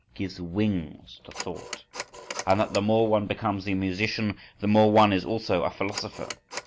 gives wings to thought? and that the more one becomes a musician the more one is also a philosopher?